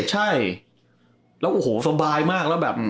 ใช่แล้วโอ้โหสบายมากแล้วแบบ